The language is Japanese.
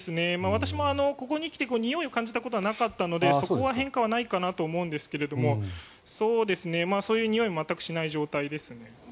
私もここに来てにおいを感じたことはなかったのでそこは変化はないかなと思うんですがそういうにおいは全くしない状況ですね。